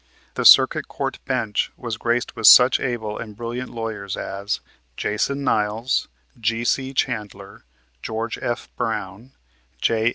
The Circuit Court bench was graced with such able and brilliant lawyers as Jason Niles, G.C. Chandler, George F. Brown, J.